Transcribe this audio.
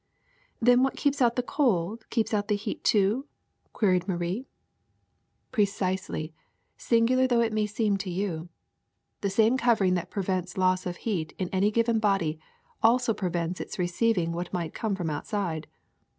Then what keeps out the cold keeps out the heat too?" queried Marie. 80 THE SECRET OF EVERYDAY THINGS ^^ Precisely, singular though it may seem to you. The same covering that prevents loss of heat in any given body also prevents its receiving what might come from outside.